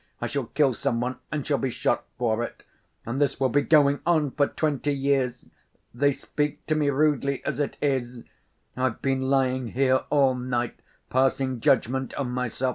I shall kill some one, and shall be shot for it. And this will be going on for twenty years! They speak to me rudely as it is. I've been lying here all night, passing judgment on myself.